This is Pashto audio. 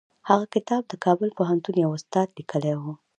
هغه کتاب د کابل پوهنتون یوه استاد لیکلی و.